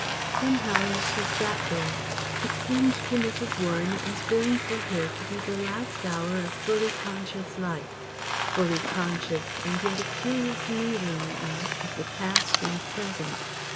Somehow as she sat there it seemed to Mrs. Warren it was going for her to be the last hour of fully conscious life fully conscious and yet a curious mingling in it of the past and present.